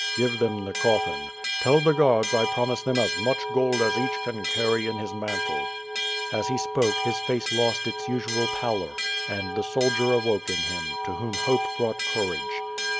Give them the coffin. Tell the guards 1 promise them as much gold as eafch can carry in his mantle.'' As he spoke hisfface lost its usual pallor, and the soldier awoke in him, to iifciom liope brought courage.